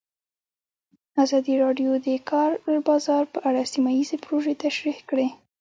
ازادي راډیو د د کار بازار په اړه سیمه ییزې پروژې تشریح کړې.